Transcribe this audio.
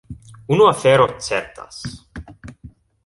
Unu afero certas.